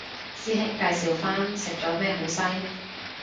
師兄介紹返食咗咩好西